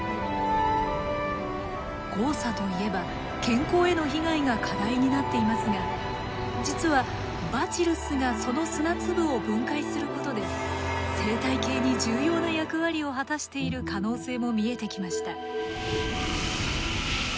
黄砂といえば健康への被害が課題になっていますが実はバチルスがその砂粒を分解することで生態系に重要な役割を果たしている可能性も見えてきました。